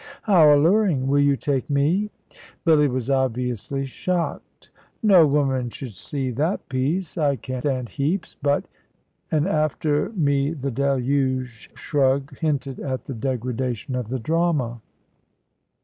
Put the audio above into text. "How alluring! Will you take me?" Billy was obviously shocked. "No woman should see that piece. I can stand heaps, but " an after me the deluge shrug hinted at the degradation of the drama.